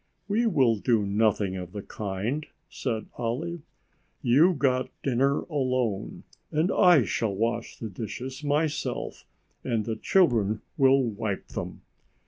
"We will do nothing of the kind," said Olive. "You got dinner alone and I shall wash the dishes myself and the children will wipe them.